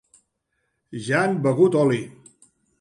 Ja han begut oli.